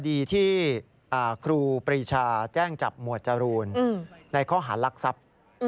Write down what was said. คดีที่ครูปรีชาแจ้งจับหมวดจรูนในข้อหารักทรัพย์